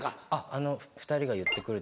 あの２人が言って来る？